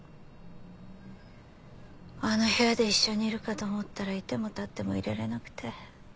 あの部屋で一緒にいるかと思ったら居ても立ってもいられなくて。